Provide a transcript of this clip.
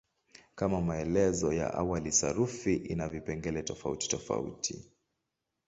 Kama maelezo ya awali, sarufi ina vipengele tofautitofauti.